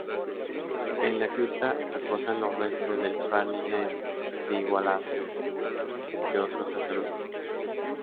En la cripta reposan los restos del Fray Jaime de Igualada, entre otros sacerdotes.